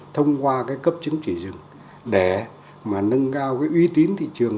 thông qua cái cấp chứng chỉ rừng để mà nâng cao cái uy tín thị trường